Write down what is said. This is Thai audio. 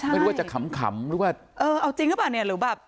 ไม่รู้ว่าจะขำหรือว่าเออเอาจริงหรือเปล่าเนี่ยหรือแบบ